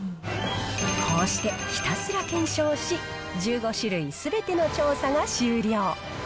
こうしてひたすら検証し、１５種類すべての調査が終了。